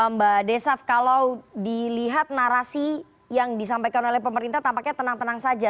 mbak desaf kalau dilihat narasi yang disampaikan oleh pemerintah tampaknya tenang tenang saja